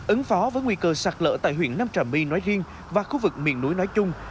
ứng phó với nguy cơ sạt lở tại huyện nam trà my nói riêng và khu vực miền núi nói chung